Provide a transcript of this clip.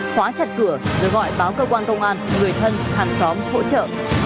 khóa chặt cửa rồi gọi báo cơ quan công an người thân hàng xóm hỗ trợ